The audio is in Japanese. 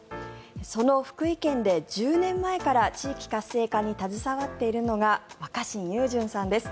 その福井県で１０年前から地域活性化に携わっているのが若新雄純さんです。